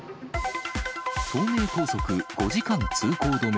東名高速５時間通行止め。